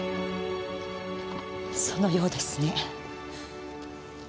そのようですね。